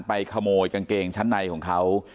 ขโมยกางเกงชั้นในของเขา